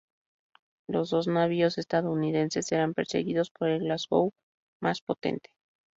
Los dos navíos estadounidenses eran perseguidos por el "Glasgow", más potente.